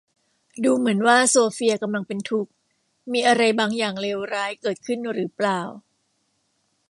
ดูเหมือนว่าโซเฟียกำลังเป็นทุกข์ มีอะไรบางอย่างเลวร้ายเกิดขึ้นหรือเปล่า ?